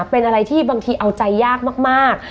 เป็นอะไรที่บางทีเอาใจยากมาก